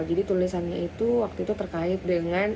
jadi tulisannya itu waktu itu terkait dengan